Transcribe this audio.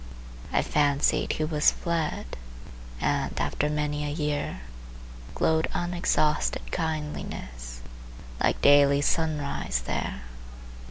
I fancied he was fled, And, after many a year, Glowed unexhausted kindliness Like daily sunrise there.